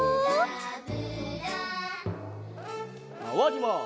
まわります。